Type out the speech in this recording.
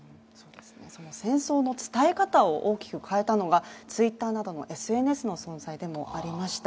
その戦争の伝え方を大きく変えたのがＴｗｉｔｔｅｒなどのＳＮＳの存在でもありました。